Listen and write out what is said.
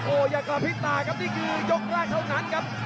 โอ้ยอย่ากลับพิตาครับนี่คือยกราคเท่านั้นครับ